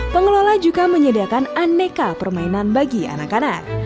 pengelola juga menyediakan aneka permainan bagi anak anak